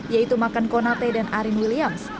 yaitu makan konate dan arin williams